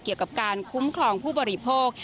เกี่ยวกับการคุ้มครองผู้บริโภค